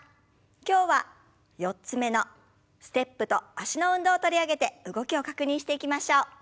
今日は４つ目のステップと脚の運動を取り上げて動きを確認していきましょう。